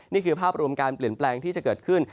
นี่คือภาพรวมการเปลี่ยนแปลงที่จะเกิดขึ้น